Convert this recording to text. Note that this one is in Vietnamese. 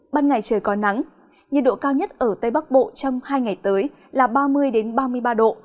ban ngày trời có nắng nhiệt độ cao nhất ở tây bắc bộ trong hai ngày tới là ba mươi ba mươi ba độ